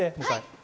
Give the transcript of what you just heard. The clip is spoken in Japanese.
はい！